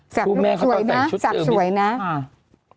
เพราะก่อนหน้ามีเขาสั่งลูกคุณแม่